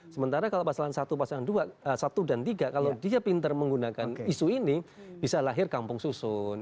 sementara kalau pasangan satu pasang dua satu dan tiga kalau dia pinter menggunakan isu ini bisa lahir kampung susun